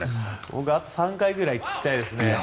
僕、あと３回くらい聞きたいですね。